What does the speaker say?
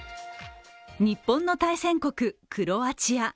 日本の対戦国、クロアチア。